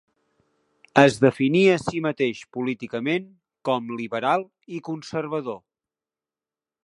Es definia a si mateix políticament com liberal i conservador.